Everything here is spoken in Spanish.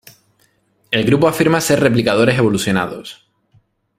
El grupo afirma ser Replicadores evolucionados.